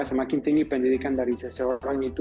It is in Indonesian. semakin tinggi pendidikan dari seseorang itu